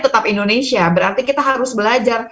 tetap indonesia berarti kita harus belajar